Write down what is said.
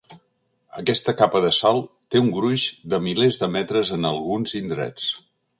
Aquesta capa de sal té un gruix de milers de metres en alguns indrets.